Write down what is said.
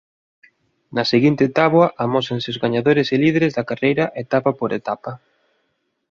Na seguinte táboa amósanse os gañadores e líderes da carreira etapa por etapa.